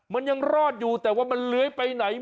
มันยังรอดอยู่แต่ว่ามันเลื้อยไปไหน